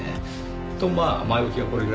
とまあ前置きはこれぐらいにして。